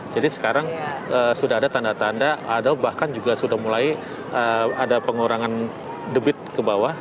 jadi sekarang sudah ada tanda tanda bahkan juga sudah mulai ada pengurangan debit ke bawah